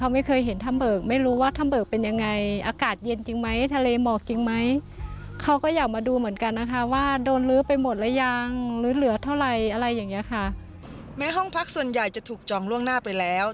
แม้ห้องพักส่วนใหญ่จะถูกจองล่วงหน้าไปแล้ว